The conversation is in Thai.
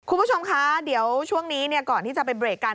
คุณผู้ชมคะเดี๋ยวช่วงนี้ก่อนที่จะไปเบรกกัน